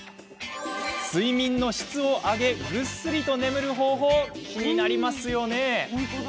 睡眠の質を上げぐっすりと眠る方法気になりますよね。